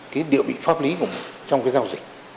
cái địa vị pháp lý của mọi người trong cái giao dịch